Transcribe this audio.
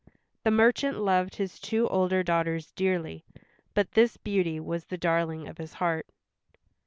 The merchant loved his two older daughters dearly, but this Beauty was the darling of his heart.